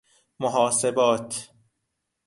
محاسبات